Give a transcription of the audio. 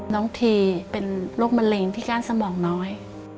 น้องทีเป็นโรคมะเร็งที่ก้านสมองน้อย